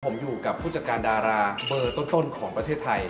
ผมอยู่กับผู้จัดการดาราเบอร์ต้นของประเทศไทย